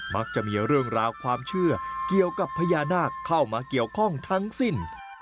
มักจะมีเรื่องราวความเชื่อเกี่ยวกับพญานาคเข้ามาเกี่ยวข้องทั้งสิ้น